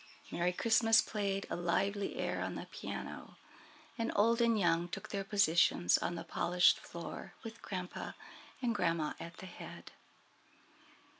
Merry Christmas played a lively air on the piano, and old and young took their positions on the polished floor with grandpa and grandma at the head.